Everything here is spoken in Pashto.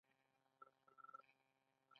فکرونه مهم دي.